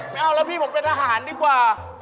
ไม่เอาแล้วพี่ผมเป็นทหารดีกว่า